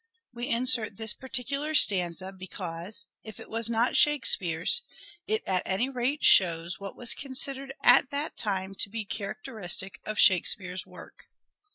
We insert this parti cular stanza because, if it was not " Shakespeare's," it at any rate shows what was considered at that time to be characteristic of Shakespeare's work.